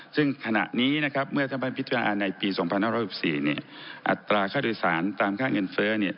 ตามแต่ปี๒๕๔๔อัตราค่าอดีตศาลตามค่าเงินเฟ้อ